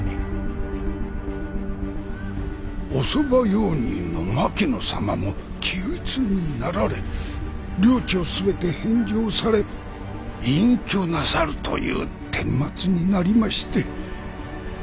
お側用人の牧野様も気鬱になられ領地を全て返上され隠居なさるというてんまつになりまして。